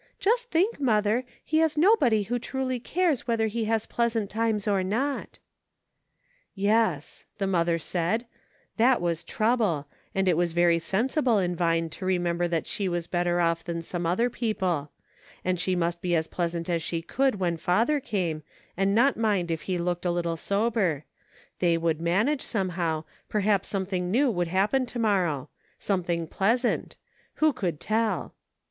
Just think, mother, he has nobody who truly cares whether he has pleasant times or not." "Yes," the mother said, that was trouble ; and it was very sensible in Vine to remember that she was better off than some other people ; and she must be as pleasant as she could when father came, and not mind if he looked a little sober ; they would manage, somehow, perhaps something new would happen to morrow ; something pleasant ; who could tell